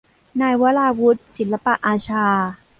นายวราวุธ ศิลปอาชา